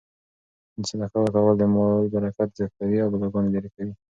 صدقه ورکول د مال برکت زیاتوي او بلاګانې لیرې کوي.